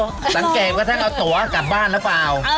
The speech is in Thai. สังเกตว่าท่านเอาตัวกลับบ้านหรือเปล่า